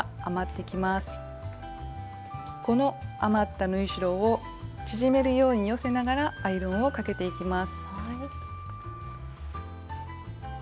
この余った縫い代を縮めるように寄せながらアイロンをかけていきます。